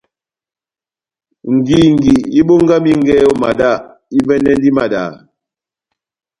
Ngingi ibongamingɛ ó madá, ivɛ́nɛndini madaha.